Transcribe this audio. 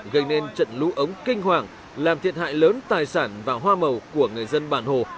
gây nên trận lũ ống kinh hoàng làm thiệt hại lớn tài sản và hoa màu của người dân bản hồ